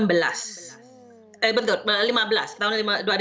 eh betul tahun dua ribu lima belas